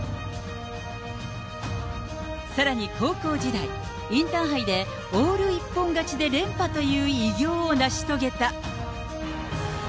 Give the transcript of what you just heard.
さらに高校時代、インターハイでオール一本勝ちで連覇という偉業を成し遂げた。